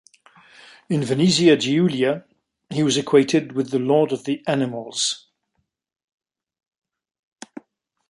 In Venezia Giulia, he was equated with the Lord of the Animals.